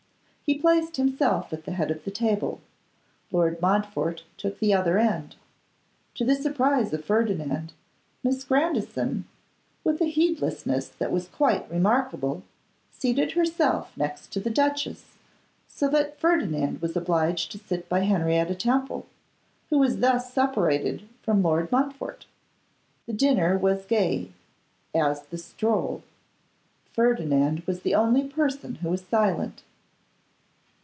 He placed himself at the head of the table; Lord Montfort took the other end. To the surprise of Ferdinand, Miss Grandison, with a heedlessness that was quite remarkable, seated herself next to the duchess, so that Ferdinand was obliged to sit by Henrietta Temple, who was thus separated from Lord Montfort. The dinner was as gay as the stroll. Ferdinand was the only person who was silent.